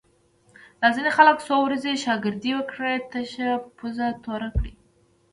دا ځینې خلک څو ورځې شاگردي وکړي، تشه پوزه توره کړي